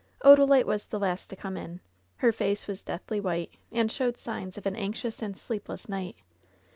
Odalite was the last to come in. Her face was deathly white, and showed signs of an anxious and sleepless night.